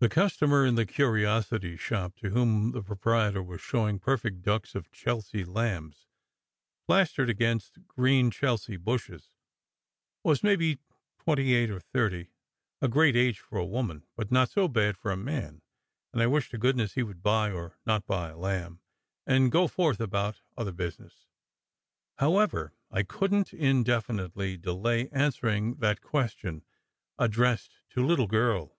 The customer in the curiosity shop, to whom the proprietor was showing perfect ducks of Chelsea lambs plastered against green Chelsea bushes, was, maybe, twenty eight or thirty, a great age for a woman, but not so bad for a man; and I wished to good ness he would buy or not buy a lamb and go forth about other business. However, I couldn t indefinitely delay answering that question addressed to "little girl."